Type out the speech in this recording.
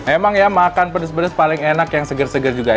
emang ya makan pedas pedas paling enak yang segar segar juga